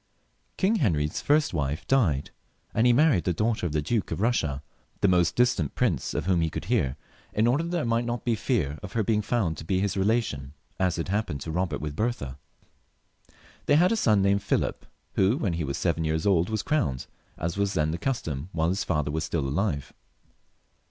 King Henry's first wife died, and he married the daughter of the Duke of Eussia, the most distant prince of whom he could hear, in order that there might be no fear of her being found to be his relation, as had happened to Bobert with Bertha. They had a son named Philip, who when he was seven years old was crowned, as was then the custom, while his father was still alive.